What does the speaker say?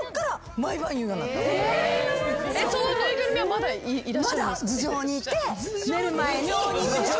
まだ頭上にいて寝る前に。